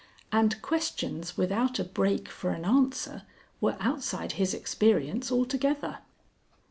And questions without a break for an answer were outside his experience altogether.